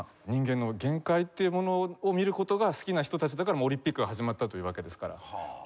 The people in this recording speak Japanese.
人間の限界っていうものを見る事が好きな人たちだからオリンピックが始まったというわけですから。